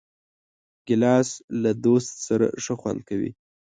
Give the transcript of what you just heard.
ګیلاس له دوست سره ښه خوند کوي.